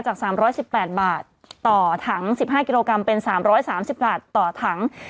จาก๓๑๘บาทต่อถัง๑๕กิโลกรัมเป็น๓๓๐บาทต่อถัง